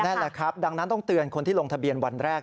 นั่นแหละครับดังนั้นต้องเตือนคนที่ลงทะเบียนวันแรก